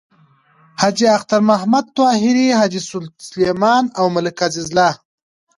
حاجی اختر محمد طاهري، حاجی سلیمان او ملک عزیز الله…